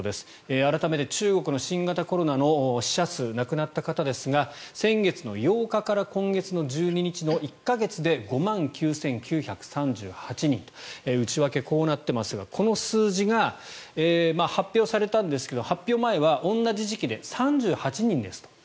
改めて中国の新型コロナの死者数亡くなった方ですが先月の８日から今月の１２日の１か月で５万９９３８人と内訳はこうなっていますがこの数字が発表されたんですけど発表前は同じ時期で３８人ですと。